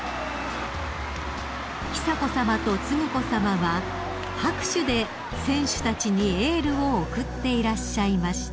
［久子さまと承子さまは拍手で選手たちにエールを送っていらっしゃいました］